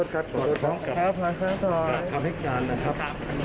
ขอบคุณครับ